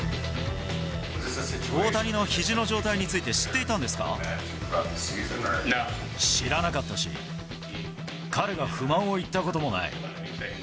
大谷のひじの状態について知知らなかったし、彼が不満を言ったこともない。